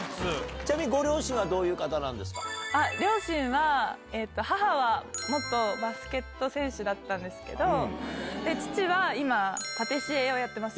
ちなみにご両親はどういう方両親は、母は元バスケット選手だったんですけど、父は今、パティシエをやってます。